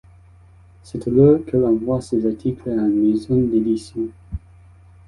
C’est alors qu’elle envoie ses articles à une maison d’édition.